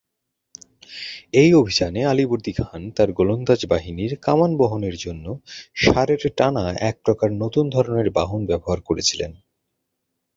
এই অভিযানে আলীবর্দী খান তার গোলন্দাজ বাহিনীর কামান বহনের জন্য ষাঁড়ের টানা এক প্রকার নতুন ধরনের বাহন ব্যবহার করেছিলেন।